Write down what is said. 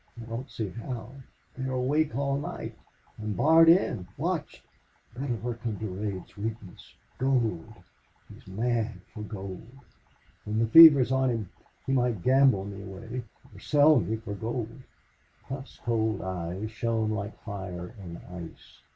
"I don't see how. They are awake all night. I am barred in, watched ... Better work on Durade's weakness. Gold! He's mad for gold. When the fever's on him he might gamble me away or sell me for gold." Hough's cold eyes shone like fire in ice.